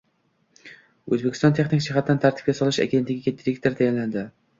O‘zbekiston texnik jihatdan tartibga solish agentligiga direktor tayinlandi